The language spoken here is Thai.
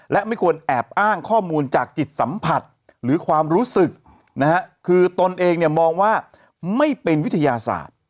และไม่ควรแอบอ้างข้อมูลจากจิตสัมผัสหรือความรู้สึกนะฮะคือตนเองเนี่ยมองว่าไม่เป็นวิทยาศาสตร์